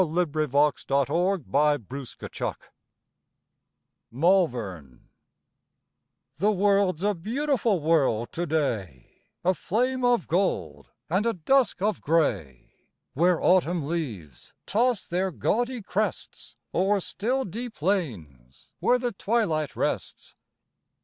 Who can tell—— AN AUTUMN RIDE Malvern The world's a beautiful world to day, A flame of gold and a dusk of gray, Where Autumn leaves toss their gaudy crests O'er still deep lanes, where the twilight rests.